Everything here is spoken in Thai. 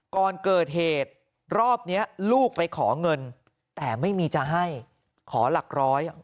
ก่อนเกิดเหตุรอบนี้ลูกไปขอเงินแต่ไม่มีจะให้ขอหลักร้อย